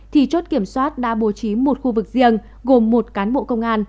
thì chốt kiểm soát đã bố trí một khu vực riêng gồm một cán bộ công an